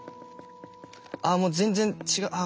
あっもう全然違うああ